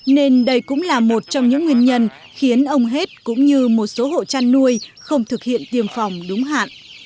nên đây cũng là một trong những nguyên nhân khiến ông hết cũng như một số hộ chăn nuôi không thực hiện tiêm phòng đúng hạn